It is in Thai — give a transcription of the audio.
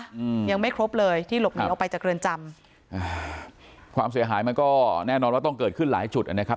อืมยังไม่ครบเลยที่หลบหนีออกไปจากเรือนจำอ่าความเสียหายมันก็แน่นอนว่าต้องเกิดขึ้นหลายจุดนะครับ